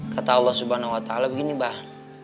kata allah swt begini bah